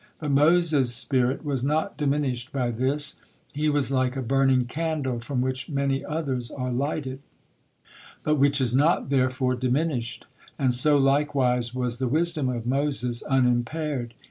But Moses' spirit was not diminished by this, he was like a burning candle from which many others are lighted, but which is not therefore diminished; and so likewise was the wisdom of Moses unimpaired.